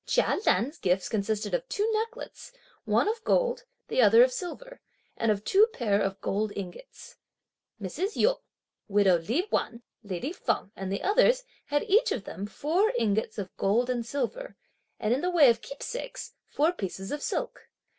Chia Lan's gifts consisted of two necklets, one of gold, the other of silver, and of two pair of gold ingots. Mrs. Yu, widow Li Wan, lady Feng and the others had each of them, four ingots of gold and silver; and, in the way of keepsakes, four pieces of silk.